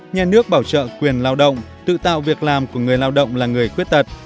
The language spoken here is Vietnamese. một nhà nước bảo trợ quyền lao động tự tạo việc làm của người lao động là người khuyết tật